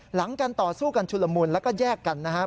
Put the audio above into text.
หลังการต่อสู้กันชุลมุนแล้วก็แยกกันนะฮะ